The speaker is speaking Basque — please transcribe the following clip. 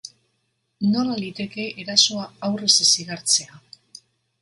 Nola liteke erasoa aurrez ez igartzea?